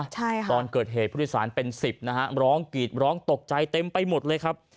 ตอนเกิดเหตุพฤษศาลเป็น๑๐ร้องกรีดร้องตกใจเต็มไปหมดเลยครับ